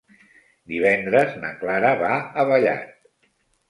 Divendres na Clara va a Vallat.